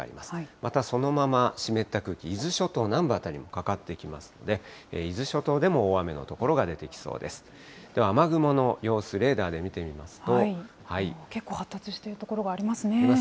またそのまま湿った空気、伊豆諸島南部辺りにかかってきますので、伊豆諸島でも大雨の所が出てきそうです。